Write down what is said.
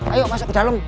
ayo masuk ke dalam